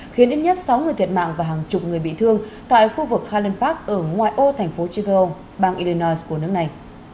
khiến ít nhất sáu người thiệt mạng và hàng chục người bị thương tại khu vực highland park ở ngoài ô thành phố chicago bang illinois của nước này